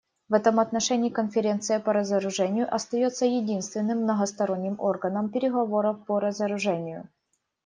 В этом отношении Конференция по разоружению остается единственным многосторонним органом переговоров по разоружению.